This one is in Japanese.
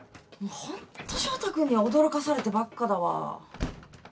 もうホント翔太君には驚かされてばっかだわ。